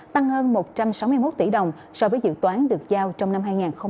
tăng hơn một trăm sáu mươi một tỷ đồng so với dự toán được giao trong năm hai nghìn hai mươi ba